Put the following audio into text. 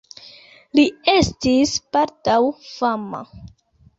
Li estis baldaŭ fama.